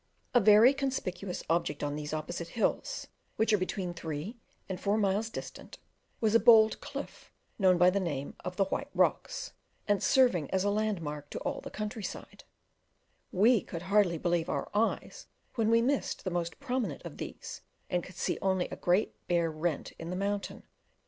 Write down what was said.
A very conspicuous object on these opposite hills, which are between three and four miles distant, was a bold cliff known by the name of the "White Rocks," and serving as a landmark to all the countryside: we could hardly believe our eyes when we missed the most prominent of these and could see only a great bare rent in the mountain.